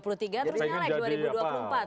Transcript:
bisa jadi apa